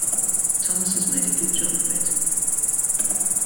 Thomas has made a good job of it.